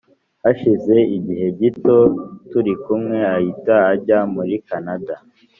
Hashize gihe gito turikumwe ahita ajya muri Canada